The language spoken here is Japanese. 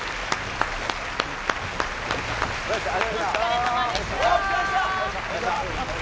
お疲れさまでした。